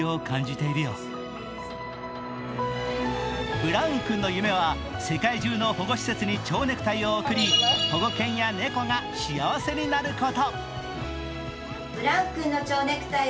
ブラウン君の夢は世界中の保護施設に蝶ネクタイを贈り、保護犬や猫が幸せになること。